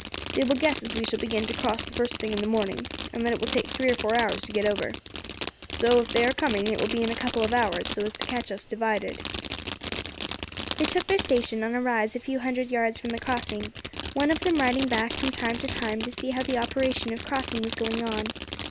They will guess as we shall begin to cross the first thing in the morning, and that it will take three or four hours to get over. So, if they are coming, it will be in a couple of hours, so as to catch us divided." They took their station on a rise a few hundred yards from the crossing, one of them riding back from time to time to see how the operation of crossing was going on.